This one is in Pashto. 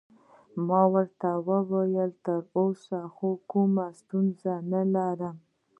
ما ورته وویل: تراوسه خو لا کومه ستونزه نلرم.